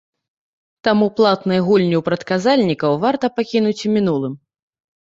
Таму платныя гульні ў прадказальнікаў варта пакінуць у мінулым.